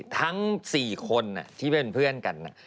ทั้ง๔คนที่เป็นเพื่อนกัน